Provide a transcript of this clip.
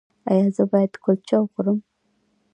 ایا زه باید کلچه وخورم؟